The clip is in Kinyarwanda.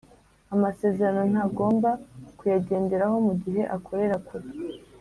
amasezerano ntagomba kuyagenderaho mu gihe akorera kure